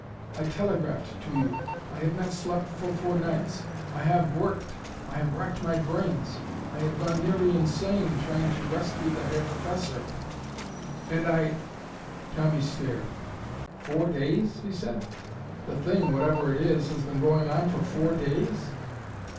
I telegraphed to you. I have not slept for four nights. I have worked! I have racked my brains! I have gone nearly insane, trying to rescue the Herr Professor! And I "Tommy stared. "Four days?" he said. "The thing, whatever it is, has been going on for four days?"